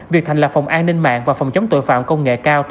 việc thành lập phòng an ninh mạng và phòng chống tội phạm công nghệ cao